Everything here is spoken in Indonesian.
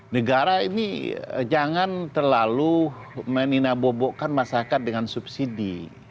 negara ini jangan terlalu meninabobokkan masyarakat dengan subsidi